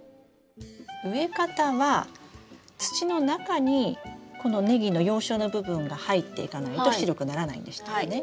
植え方は土の中にこのネギの葉鞘の部分が入っていかないと白くならないんでしたよね？